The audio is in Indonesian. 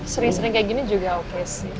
sering sering kayak gini juga oke sih